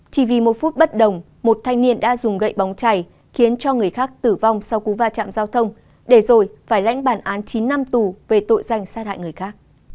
chỉ vì một phút bất đồng một thanh niên đã dùng gậy bóng chảy khiến cho người khác tử vong sau cú va chạm giao thông để rồi phải lãnh bản án chín năm tù về tội danh sát hại người khác